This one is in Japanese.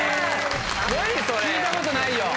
聞いたことないよ。